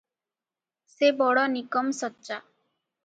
ସେ ବଡ଼ ନିମକ୍ ସଚା ।